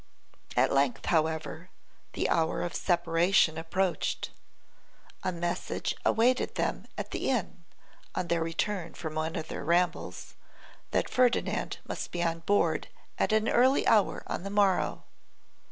At length, however, the hour of separation approached; a message awaited them at the inn, on their return from one of their rambles, that Ferdinand must be on board at an early hour on the morrow.